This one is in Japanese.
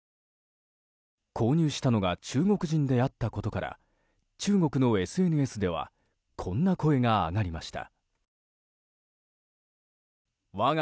購入したのが中国人であったことから中国のＳＮＳではこんな声が上がりました。